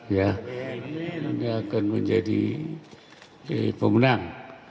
ini akan menjadi pemenang